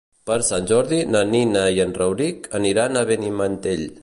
Per Sant Jordi na Nina i en Rauric aniran a Benimantell.